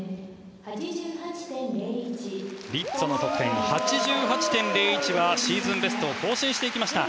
リッツォの得点８８．０１はシーズンベストを更新しました。